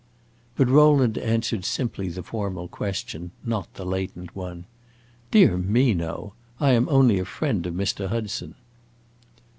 But Rowland answered simply the formal question not the latent one. "Dear me, no; I am only a friend of Mr. Hudson."